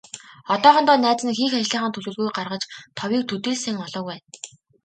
Одоохондоо найз нь хийх ажлынхаа төлөвлөгөөг гаргаж, товыг төдий л сайн олоогүй байна.